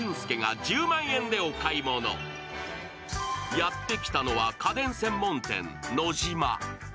やってきたのは家電専門店・ノジマ。